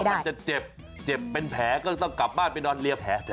มันจะเจ็บเจ็บเป็นแผลก็ต้องกลับบ้านไปนอนเรียแผลแทน